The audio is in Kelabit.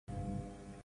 No audio.